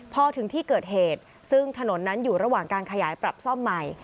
พอถึงที่เกิดเหตุซึ่งถนนนั้นอยู่ระหว่างการขยายปรับซ่อมใหม่